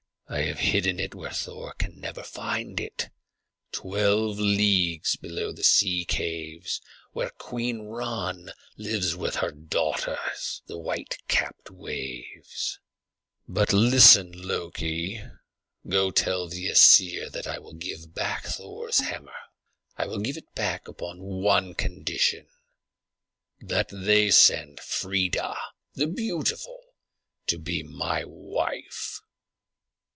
I have hidden it where Thor can never find it, twelve leagues below the sea caves, where Queen Ran lives with her daughters, the white capped Waves. But listen, Loki. Go tell the Æsir that I will give back Thor's hammer. I will give it back upon one condition, that they send Freia the beautiful to be my wife."